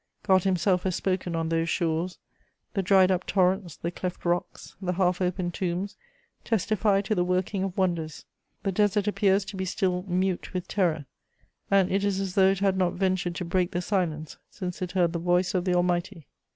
God Himself has spoken on those shores: the dried up torrents, the cleft rocks, the half open tombs testify to the working of wonders; the desert appears to be still mute with terror, and it is as though it had not ventured to break the silence since it heard the voice of the Almighty.